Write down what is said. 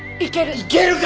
いけるか！